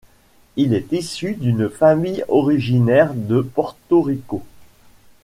Il est issu d’une famille originaire de Porto-Rico.